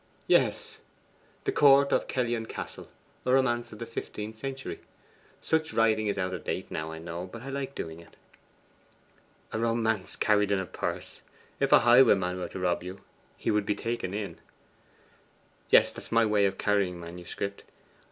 'Yes; THE COURT OF KELLYON CASTLE; a romance of the fifteenth century. Such writing is out of date now, I know; but I like doing it.' 'A romance carried in a purse! If a highwayman were to rob you, he would be taken in.' 'Yes; that's my way of carrying manuscript.